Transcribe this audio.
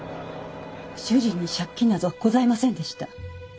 主人に借金なぞございませんでした。